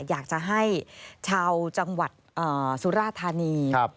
อยากจะให้ชาวจังหวัดสุราธานี